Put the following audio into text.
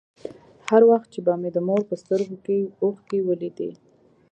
هر وخت چې به مې د مور په سترگو کښې اوښکې ولېدې.